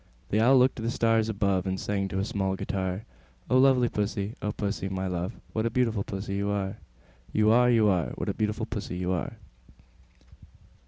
The Owl looked up to the stars above, And sang to a small guitar, "O lovely Pussy, O Pussy, my love, What a beautiful Pussy you are, You are, You are! What a beautiful Pussy you are!"